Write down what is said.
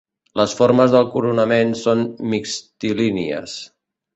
Les formes del coronament són mixtilínies.